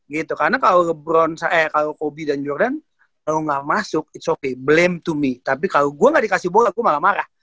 gitu karena kalo kobe dan jordan kalo gak masuk it s okay blame to me tapi kalo gue gak dikasih bola gue malah marah